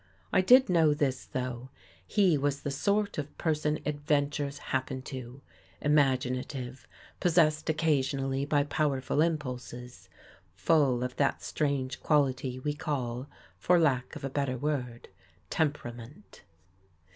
I did know this though; he was the sort of per son adventures happen to — imaginative, possessed occasionally by powerful impulses ; full of that strange quality we call, for lack of a better word. Temperament.